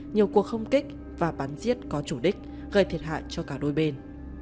nhiều cuộc không kích và bắn giết có chủ đích gây thiệt hại cho cả đôi bên